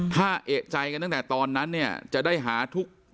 ถ้าเอกใจกันตั้งแต่ตอนนั้นเนี่ยจะได้หาทุก